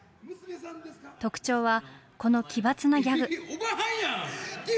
特徴はこの奇抜なギャグ。